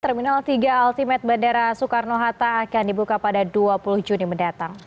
terminal tiga ultimate bandara soekarno hatta akan dibuka pada dua puluh juni mendatang